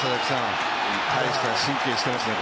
大した神経してますよ。